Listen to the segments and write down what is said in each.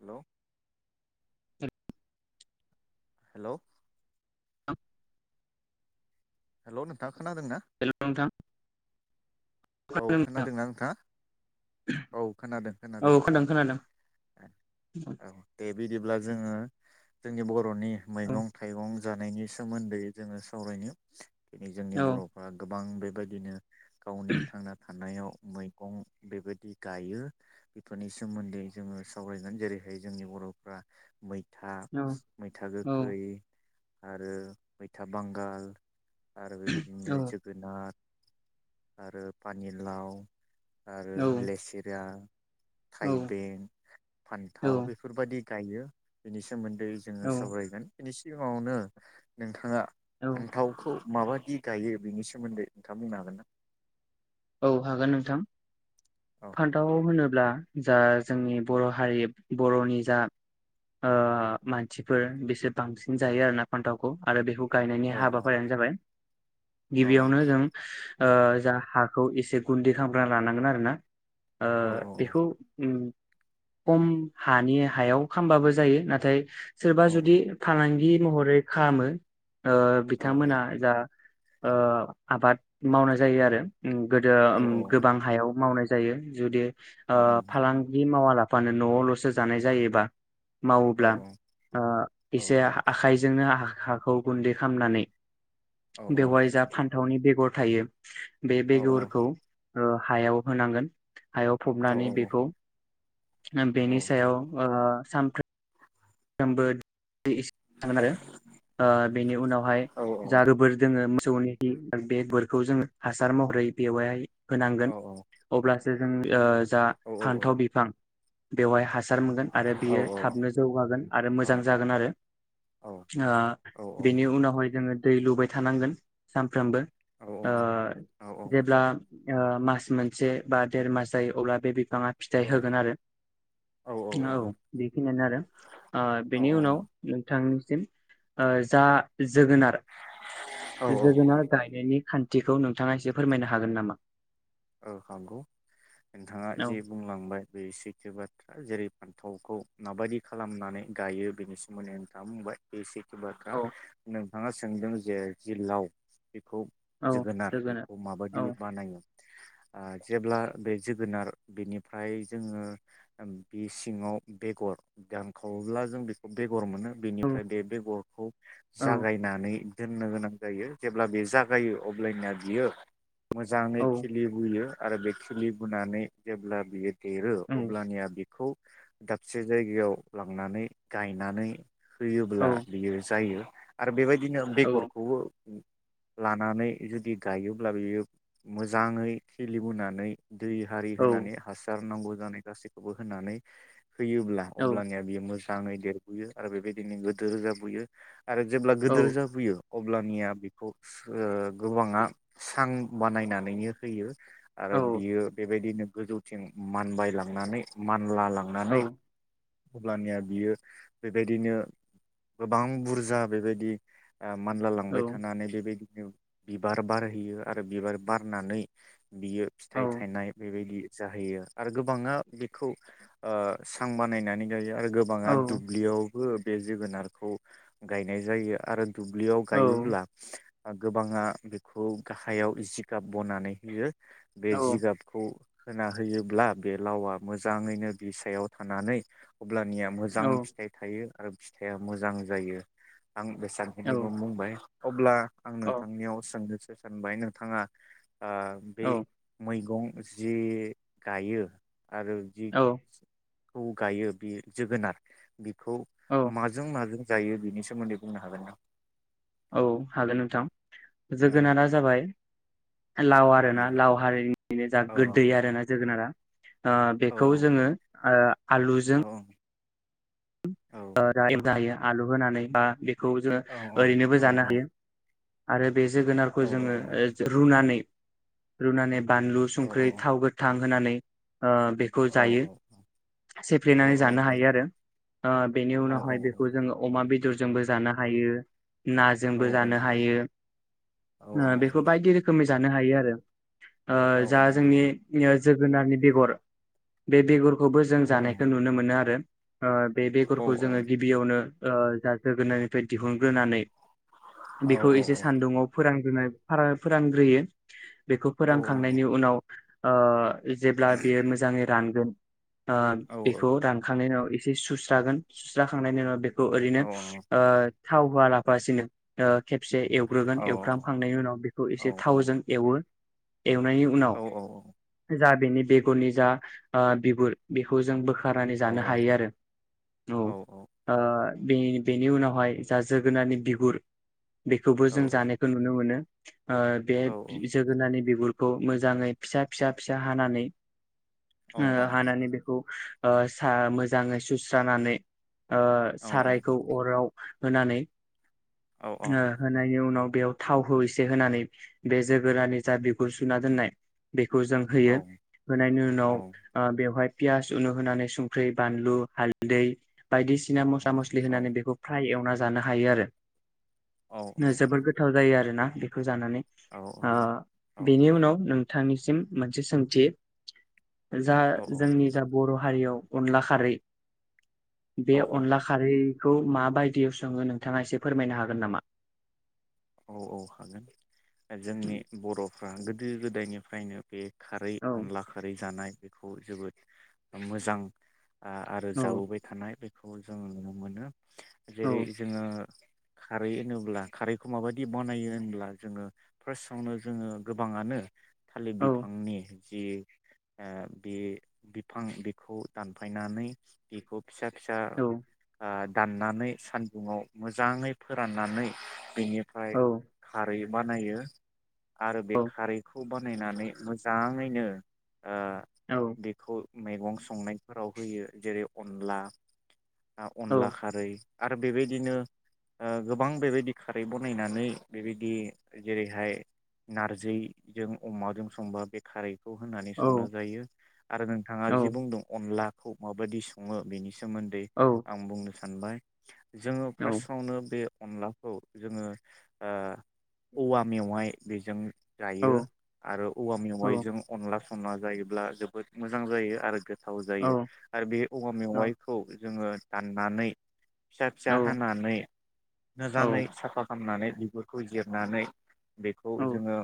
Hello. हेल' hello. [unintelligible] Hello नोंथां। खोनादों ना? नोंथां औ खोनादों नोंथां खोनादोंना नोंथाङा? औ खोनादों खोनादों। औ खोनादों औ दे बे दिब्ला जोङो जोंनि बर' बर'नि औ मैगं थाइगं जानायनि सोमोन्दै जोङो सावरायनि। दिनै जोंनि औ बर'फ्रा गोब बां बेबायदिनो गावनि थानायाव मैगं बेबायदि गायो। बेफोरनि सोमोन्दै जोङो सावरायगोन जेरैहाय जोंनि बर'फ्रा मै मैथा, औ मैथा औ गोखै आरो मैथा बांगाल आरो औ बेबायदिनो जोगोनार आरो पानिलाव आरो लेसेरा औ थाइबें, फान्थाव बेफोरबादि गायो बिनि सोमोन दै जोङो औ सावरायगोन। बिनि सिगाङावनो नोंथाङा औ फान्थावखौ माबादि गायो बिनि सोमोन्दै नोंथां बुंनो हागोन ना? औ हागोन नोंथां। हागोन ना औ फान्थाव होनो ब्ला जा जोंनि बर' हारि बर'नि जा ओ मानसिफोर बिसोर बांसिन जायो आरो ना फान्थावखौ आरो बेखौ गायनायनि औ हाबाफारियानो जाबाय औ गिबियावनो जों ओ जा हाग खौ एसे गुन्दै खालामग्रोना लानांगोन आरो ना ओ औ बेखौ ओम खम हानि हायाव खामबाबो जायो नाथाय सोरबा औ जुदि फालांगि बि महरै खालामो ओ औ बिथांमोनहा जा ओ आबाद मावनाय जायो आरो ओम गोदो औ ओम गोबां हायाव मावनाय जायो जुदि ओ औ फालांगि मावा लाफानो नआवलसो जानाय जायोबा औ मावोब्ला औ ओ एसे औ आखाइजोंनो हाख हाखौ गुन्दै खामनानै औ औ बेवाय जा फान्थावनि बेगर थायो बे औ बेगरखौ ओ हायाव होनांगोन हायाव फबनानै बेखौ ना बेनि औ सायाव ओ सामफ्रो बोद आरो ओ बेनि उनावहाय जा रोबोर दोङो जौनि बे बे बोरखौ जोङो हासार महरै बेवहाय होनांगोन अब्लास जेजों ओ जा फान्थाव बिफां बेवहाय हास हासार मोनगोन आरो बियो थाबनो जौगागोन मोजां जागोन आरो ओ बेनि उनावहाय जोङो दै लुबाय थानांगोन सानफ्रोमबो ओ औ औ जेब्ला ओ मास मोनसे बा देर मास जायो अब्ला बे बिफाङा फिथाइ औ होगोन आरो औ बेखिनियानो आरो औ बेनि उनाव नोंथांनि [unintelligible] जा मिथिगौ जोगोनार औ जोगोनार गायनायनि खान्थिखौ नोंथाङा एसे फोरमायनो हागोन नामा? औ हागोन नोंथाङा औ जे बुंलांबाय बे सैथो बाथ्रा जेरै थावखौ माबायदि खालामनानै गायो बेनि सोमोन्दै आोंथाङा बुंबाय बे एसे बेयो सैथो बाथ्रा औ नोंथां नोंथाङा सोंदों जे जि लाव बेखौ जोगोनार बेखौ औ माबायदि बानायो जेब्ला बे जोगोनार बेनिफ्राय जोङो बे सिङाव बेगर दानखावोब्ला जों बेखौ बेगर मोनो औ बेनिफ्राय बे बेगरखौ औ जागायनानै दोननो गोनां जायो जेब्ला बे जागायो अब्लानिया बियो मोजाङै औ खिलिबोयो आरो बे खिलि बोनानै जेब्ला बियो देरो औ अब्लानिया बेखौ दाबसे जायगायाव लांनानै गायनानै औ होयोब्ला बियो जायो आरो बेबायदि बिदिनो औ बेगरखौबो लानानै जुदि गायोब्ला बियो मोजाङै खिलिबोनानै दै आरि औ होनानै हासार नांगौ। [unintelligible] गासैखौबो होननानै होयोब्ला औ अब्लानिया बियो मोजां मोजाङै देरबोयो आरो बेबायदिनो गोजौ जाबोयो। आरो जेब्ला गिदिर जाबोयो अब्लानिया बेखौ गोबाङा सां बानायनानै बानायनानै होयो आरो औ बियो बेबायदिनो गोजौथिं मानबायलांनानै मानो मानला लांनानै अब्लानिया बियो बेबायदिनो गोबां बुरजा बेबायदि मानला औ लांबाय थानानै बेबायदि बिबार बारहैयो आरो बिबार बारनानै बियो फिथाइ थायनाय बेबायदि जाहैयो आरो गोबाङा बेखौ सां बानायनानै गायो आरो गोबाङा औ दुब्लियाव बो बे जोगोनारखौ गायनाय जायो आरो। दुब्लियाव गायोब्ला गोबाङा बेखौ गाहायाव जि जिगाब बनानै होयो। बे जिगाबखौ होना होयोब्ला बे लावआ मोजाङैनो बिसायाव थानानै अब्लानिया मोजां फिथाइ थायो। आरो फिथाइया मोजां जायो। आं बेसांखिनिखौ बुंबाय। अब्ला आं नोंथांनियाव सोंनोसै। सानबाय नोंथाङा ओ बे मैगं। जि गायो। आरो जि खौ गायो बे जोगोनार। बिखौ औ माजों माजों जायो बिनि सोमोन्दै बुंनो हागोनदां? औ हागोन नोंथां जोगोनारा जाबाय लाव आरो औ ना लाव हारिनिनो जा औ गोदै आरोना जोगोनारा औ बेखौ जोङो आलुजों औ जायो। आलु होनानै बा बेखौ जोङो ओरैनोबो औ जानो हायो। आरो बे जोगोनारखौ जोङो रुनानै रुना ने बानलु औ औ संख्रि थाव गोथां होनानै ओ बेखौ जायो सेफ्लेनानै जानो हायो आरो। ओ बेनि उनावहाय बेखौ जोङो अमा बे जुजोंबो जानो हायो। नाजोंबो जानो हायो आ बेखौ बायदि रोखोमै जानो हायो आरो ओ जा जोंनि [unintelligible] जोगोनारनि बेगर बे बेगर खौबो जों जानायखौ नुनो मोनो आरो आ बे बेगरखौ जोङो गिबियावनो ओ जा जोगोनायनिफ्राय दिहुनग्रोनानै बेखौ औ एसे औ सान्दुङाव फोर्रोनाय फारा फोरोंग्रोयो। बेखौ औ फोरानखांनायनि उनाव अ जेब्ला बेयो मोजाङै रानगोन ओ औ बेखौ रानखांनायनि उनाव एसे सुस स्रागोन सुस्राखांनायनि उनाव बे खौ औ ओरैनो ओ थाव होआ लाफासेनो ओ खेबसे एवग्रोगोन औ एवफ्रामखांनायनि उनाव बेखौ औ एसे थावजों एवो एवनायनि उनाव औ जा बेनि बेगरनि जा ओ बिगुर बेखौ जों बो खारनानै जानो हायो आरो औ ओ बे बेनि उनावहाय जा जोगोनानि बिगुर बेखौबो औ जों जानायखौ नुनो मोनो। ओ बे जोगोननि बिगुर खौ मोजाङै फिसा फिसा फिसा हानानै औ ओ हानानै बेखौ ओ सा मोजाङै सु स्रानानै ओ सारायखौ अराव होनानै ओ होनायनि उनाव बेयाव थाव हो एसे होनानै बे जोगोरानि जा बिगुर जुना दोननाय बेखौ जों होयो होनायनि उनाव ओ बेवहाय पियास उनु होनानै संख्रि बानलु हाल दै बायदिसिना मस्ला मस्लि होनानै बेखौ फ्राय एवना जा जानो हायो आरो। नोजोबोद गोथाव जायो आरोना। बेखौ जानानै ओ बेनि उनाव नों थांनिसिम मोनसे सोंथि जा जोंनि जा बर' हारियाव अनला खारै बे औ अनला खारै खौ मााबायदियाव सङो नोंथाङा एसे फोरमायनो हागोन नामा? औ औ हागोन ओ जोंनि बर'फ रा गोदो गोदायनिफ्रायनो बे खारै औ अनला खारै जानाय बेखौ जोबोद मोजां आआरो औ जाबोबाय थानाय बे खौ जोङो नुनो मोनो। औ जेरै जोङो खारै होनोब्ला खारै खौ माबायदि बानायो होनब्ला जोङो फार्स्टआवनो जोङो गोबाङानो थालिर औ बिफांनि जि ओ बे बिफां बेखौ दानफायनानै बेखौ फिसा फिसा औ आ दाननानै सानदुङाव मोजाङै फोराननानै बेनिफ्राय औ खारै बानायो। आरो बे औ खारैखौ बा नायनानै मोजाङैनो ओ औ बेखौ मैगं संनायफोराव होयो जेरै अनला आ औ अनला खारै आरो बेबायदिनो ओ गोबां बेबायदि खारै बनायनानै बेबायदि जेरैहाय नारजैजों अमाजों संबा बे खारै खौ होनानै संना औ जायो आरो नोंथाङा औ जि बुंदों अनला खौ माबायदि सङो बेनि सोमोन्दै आं बुंनो सानबाय जोङो औ फार्स्टआवनो बे अनला खौ जोङो ओ औवा मेवाइ बेजों जायो आरो औवा औ मेवाइजों अनला संना जायोब्ला जोबोद मोजां जायो आरो गो थाव औ जायो आरो बे औवा मेवाइखौ जोङो दाननानै फिसा औ फिसा हानानै मोजाङै साफा खा नानै बिगुरखौ जिरनानै बेखौ जोङो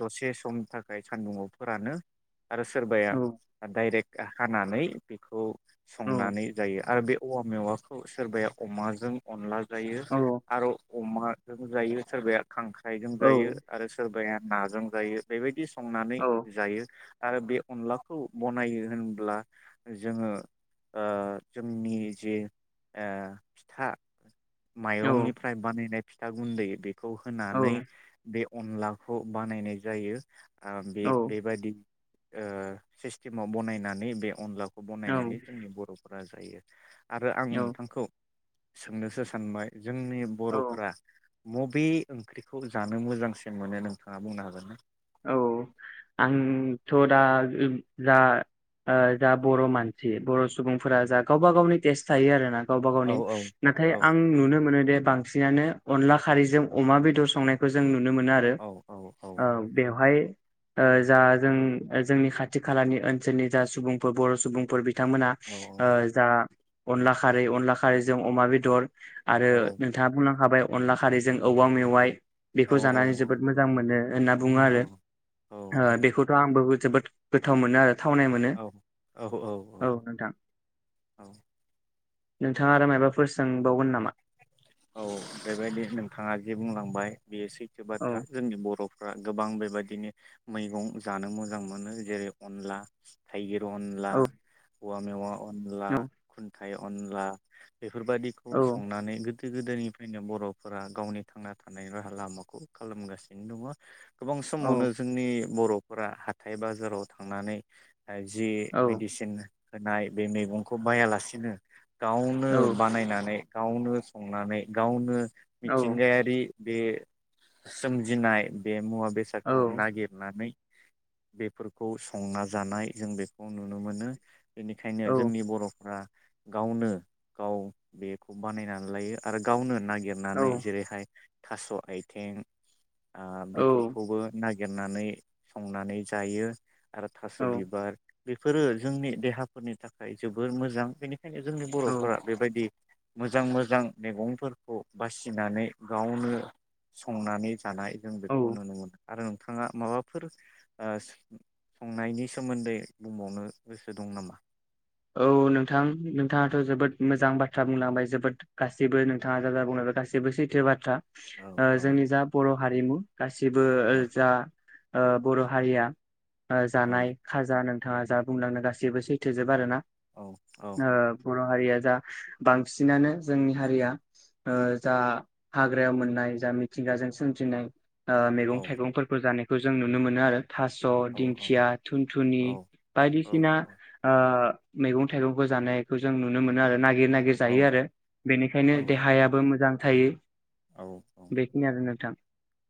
दसे समनि थाखाय सान्दुंङाव फोरानो आरो सोरबाया डाइरेक्ट खा हानानै बेखौ संनानै जायो आरो बे औवा मेवाखौ सोरबाया अमाजों अनला जायो अमाजों जायो सोरबाया खांख्राइजोंजायो आरो सोरबाया नाजों जायो बेबायदि संनानै जायो। आरो बे अनलाखौ बनायो होनब्ला जोङो ओ जोंनि जे ओ फिथा माइरंनि बे बानायनाय फिथा गुन्दै बे खौ होनानै बे अनलाखौ बानायनाय जायो। ओ बे-बेबादि ओ सिस्टेमाव बनायनानै बे अनला औ बनायनानै जोंनि बर'फोर बा जायो। आरो आं औ नोंथांखौ सोंनोसो सानबाय जों जोंनि बर'फोरा मबे ओंख्रिखौ जानो मोजांसिन मोनो नोंथाङा बुंनो हागोन ना? औ आंथ' दा जा ओ जा बर' मानसि बर' सुबुंफोरा जा गावबा गावनि टेस्ट थायो आरोना। गावबा औ गावनि औ नाथाय औ आं नुनो मोनोदि बांसिनानो अनला खारैजों अमा बेदर संनायखौ जों नु नो मोनो आरो औ औ औ। बेवहाय ओ जा जों जोंनि खाथि खालानि ओनसोलनि जा सुबुंफोर बर' सुबुंफोर बिथांमोना औ ओ जा अनला खारै अनला खारैजों अमा बेदर आरो औ नोंथाङा बुंलांखाबाय अनला खारैजों औवा मेवाइ औ बेखौ जानानै जोबोद मोजां मोनो होनना। आरो औ ओ बेखौथ' आं बो जोबोद गोथाव मोनो आरो। थावनाय मोनो औ नोंथां। औ नोंथाङा आरो मायबाफोर सोंबावगोन नामा? औ बेबायदि नोंथाङा जे बुंलांबाय बेयो सै थो औ बाथ्रा जोंनि बर' फ्रा गोबां बेबायदिनो मैगं जानो मोजां मोनो जेरै अनला थाइगिर, अनला औ औवा मेवा अनला औ खुन थाय अनला बेफोरबादिखौ औ संनानै गोदो गोदो गोदोनिफ्रायनो बर'फोरा गावनि थांना थानायनि राहा लामाखौ खालामगासिनो दङ। गोबां औ समावनो जोंनि बर'फोरा हाथाय बाजाराव थांनानै जि औ मेडिसिन होनाय बे मैगंखौ बायालासिनो गावनो औ बानायनानै गावन संनानै गावनो मिथिंगायारि बे सोमजिनाय बे मुवा औ बेसादखौ नागिदनानै बेफोरखौ संना जानाय जों बेखौ नुनो मोनो। औ बेनिखायनो जोंनि बर फ्रा गावनो गाव बेखौ बानायनानै लायो आरो गावनो ना गिरनानै जेरैहाय थास आइथिं ओ बेफोरखौबो नागिर नागिरनानै संनानै जायो। आरो थास औ बिबार बेफोरो जोंनि देहाफोरनि थाखाय जोबोर मोजां बेनिख खायनो जोंनि बर औ फोरा बेबायदि मोजां मज मोजां मैगंफोरखौ बासिनानै गावनो संनानै जानाय जों बेखौ औ नुनो मोनो। आरो नोंथाङा माबाफोर संनायनि सोमोन्दै बुंबावनो गोसो दं नामा? औ नोंथां नोंथाङाथ जोबोद मोजां बाथ्रा बुंलांबाय जोबोद गासैबो नोंथाङा जाबाय बुंलबाय गाैबो सैथो बाथ्रा। औ ओ औ जोंनि जा बर हारिमु गासिबो औ जा ओ बर हारिया औ जानाय खाजा नों थाङा जा बुंलांनो गासैबो सैथोजोब आरो ना? औ ओ फुरन हारिया जा बांसिनानो जोंनि हारिया जा ओ हाग्रायाव मोननाय जा मिथिंगाजों सोमजिनाय ओ मैगं औ थाइगंफोरखौ जानि खो जों नुनो मोनो आरो। थास औ दिंखिया थुनथुनि औ औ बायदिसिना ओ मैगं थाइगंफोर जानायखौ जों नुनो मोनो आरो नाय गिर नागिर जायो औ आरो बेनिखायनो देहायाबो मोजां थायो औ औ बेखिनि आरो नोंथां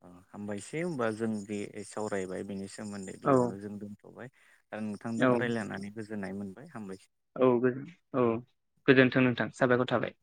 औ हामबायसै होमबा जों बे सावरायबाय बेनि सोमोन्दै औ बेयावनो जों दोनथबाय ओ औ नोंथांदों रायज्लायनानै गोजोननाय मोन बाय हामबायसै औ गोजोन औ गोजोन्थों नोंथां साबायखर थाबाय